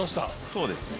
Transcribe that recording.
そうです。